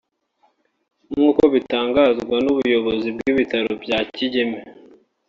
nk’uko bitangazwa n’ubuyobozi bw’ibitaro bya Kigeme